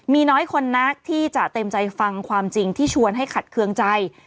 มีน้อยคนนักที่จะเต็มใจฟังความจริงที่ชวนให้ขัดเครื่องใจ